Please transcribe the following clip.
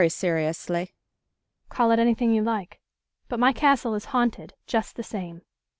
She answered very seriously. "Call it anything you like. But my castle is haunted, just the same.